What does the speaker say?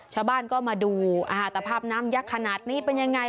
ชาวบ้านก็มาดูสภาพน้ำยักษ์ขนาดนี้เป็นยังไง